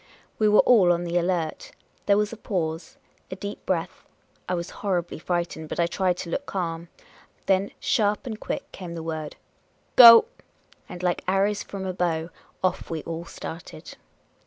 We were all on the alert. There was a pause ; a deep breath. I was horribly frightened, but I tried to look calm. Then sharp and quick came the word, " Go !" And like arrows from a bow, off we all started.